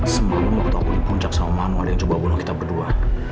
semalam waktu aku di puncak sama manual ada yang coba bolak kita berdua